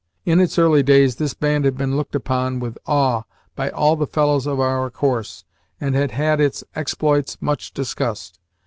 In its early days this band had been looked upon with awe by all the fellows of our course, and had had its exploits much discussed.